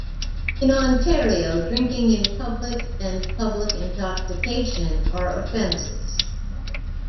In Ontario, drinking in public and public intoxication are offenses.